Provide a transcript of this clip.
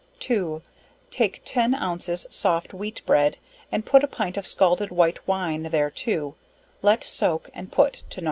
2. Take ten ounces soft wheat bread, and put a pint of scalded white wine thereto, let soak and put to No.